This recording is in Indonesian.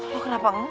lo kenapa enggak